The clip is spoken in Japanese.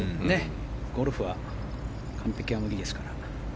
ゴルフは完璧は無理ですから。